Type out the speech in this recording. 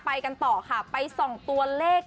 ไปกันต่อค่ะไปส่องตัวเลข